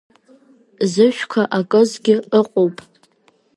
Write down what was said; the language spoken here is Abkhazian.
Зышәқәа акызгьы ыҟоуп.